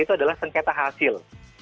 itu adalah sengketa hasil